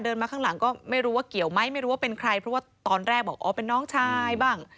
มาข้างหลังก็ไม่รู้ว่าเกี่ยวไหมไม่รู้ว่าเป็นใครเพราะว่าตอนแรกบอกอ๋อเป็นน้องชายบ้าง